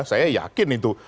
saya yakin itu